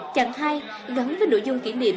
chặng hai gắn với nội dung kỷ niệm